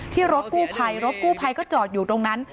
รถกู้ภัยรถกู้ภัยก็จอดอยู่ตรงนั้น